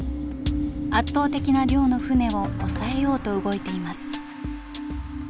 圧倒的な量の船を押さえようと動いています。